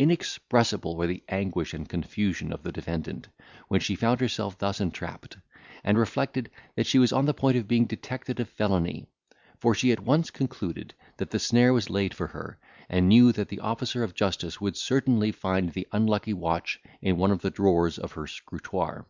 Inexpressible were the anguish and confusion of the defendant, when she found herself thus entrapped, and reflected, that she was on the point of being detected of felony; for she at once concluded, that the snare was laid for her, and knew that the officer of justice would certainly find the unlucky watch in one of the drawers of her scrutoire.